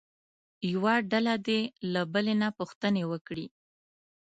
یوه ډله دې له بلې نه پوښتنې وکړي.